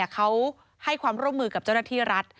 เขาให้ความร่วมมือกับเจ้าหน้าที่รัฐ